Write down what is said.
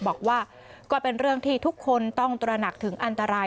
บอกว่าก็เป็นเรื่องที่ทุกคนต้องตระหนักถึงอันตราย